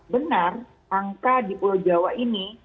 benar angka di pulau jawa ini